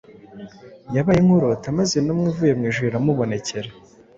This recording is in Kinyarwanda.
yabaye nk’urota maze intumwa ivuye mu ijuru iramubonekera